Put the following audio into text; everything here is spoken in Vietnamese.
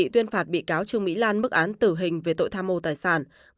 trương mỹ lan mức án tử hình về tội tham mô tài sản